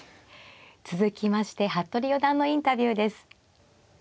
続きまして服部四段のインタビューです。